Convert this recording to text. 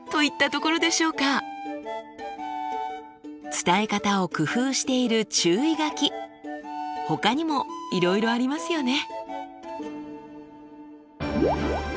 伝え方を工夫している注意書きほかにもいろいろありますよね。